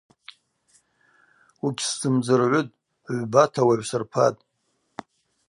Угьсзымдзыргӏвытӏ, гӏвбата уагӏвсырпатӏ.